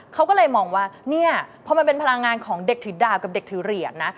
เขาก็เลยมองว่าเนี่ยพอมันเป็นพลังงานของเด็กถือดาบกับเด็กถือเหรียญนะ